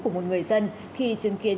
của một người dân khi chứng kiến